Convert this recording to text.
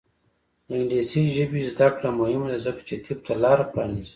د انګلیسي ژبې زده کړه مهمه ده ځکه چې طب ته لاره پرانیزي.